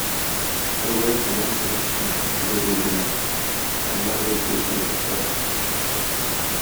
Әүвәл томан кебек төтен чыкты җир йөзенә, аннары Гыйфрит килеп чыкты.